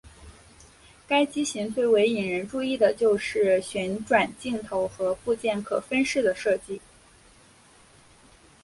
该机型最为引人注意的就是旋转镜头和部件可分式的设计。